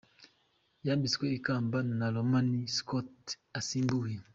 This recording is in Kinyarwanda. Yambitswe ikamba na Romanie Schotte asimbuye.